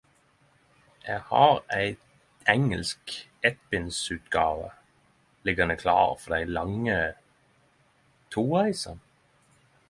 Eg har ei engelsk eittbindsutgåve liggjande klar for dei lange toreisene.